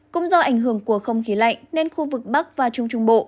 cũng do ảnh hưởng của không khí lạnh nên khu vực bắc và trung trung bộ